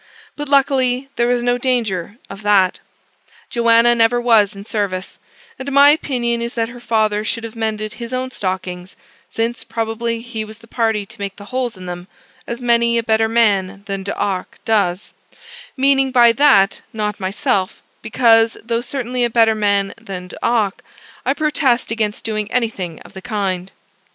But, luckily, there was no danger of that: Joanna never was in service; and my opinion is that her father should have mended his own stockings, since probably he was the party to make the holes in them, as many a better man than D'Arc does; meaning by that not myself, because, though certainly a better man than D'Arc, I protest against doing anything of the kind.